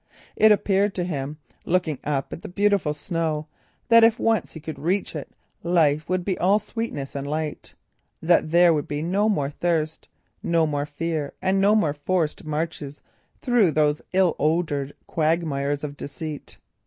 It appeared to him, looking up at the beautiful snow, that if once he could reach it life would be all sweetness and light, that there would be no more thirst, no more fear, and no more forced marches through those ill odoured quagmires of deceit.